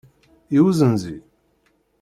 I uzenzi?